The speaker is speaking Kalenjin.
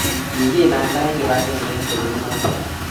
kikilanda eng kibagenge eng kenyit noto